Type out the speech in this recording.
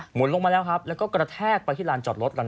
หมุนลงมาแล้วครับแล้วก็กระแทกไปที่ร้านจอดรถละนะ